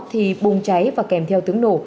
thì bùng cháy và kèm theo tướng nổ